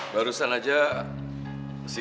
barusan aja dia di sini